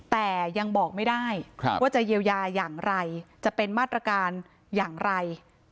แต่ยังบอกไม่ได้ว่าจะเยียวยาอย่างไรจะเป็นมาตรการอย่างไร